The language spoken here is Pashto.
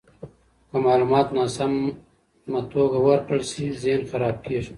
که معلومات ناسمه توګه ورکړل شي، ذهن خراب کیږي.